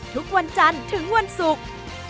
ทุกวันจันทร์ถึงวันศุกร์